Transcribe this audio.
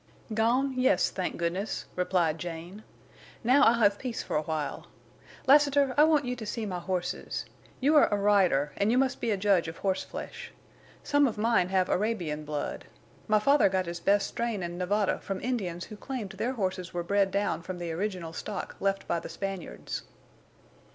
"Gone, yes, thank goodness," replied Jane. "Now I'll have peace for a while. Lassiter, I want you to see my horses. You are a rider, and you must be a judge of horseflesh. Some of mine have Arabian blood. My father got his best strain in Nevada from Indians who claimed their horses were bred down from the original stock left by the Spaniards."